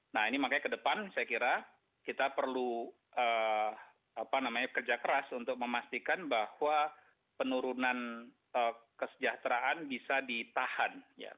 nah ini makanya ke depan saya kira kita perlu kerja keras untuk memastikan bahwa penurunan kesejahteraan bisa ditahan